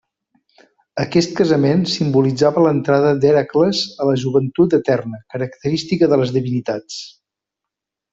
Aquest casament simbolitzava l'entrada d'Hèracles a la joventut eterna, característica de les divinitats.